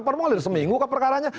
permohonan seminggu perkaranya